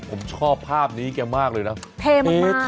ผมชอบภาพนี้แกมากเลยนะเท่มากเท่เท่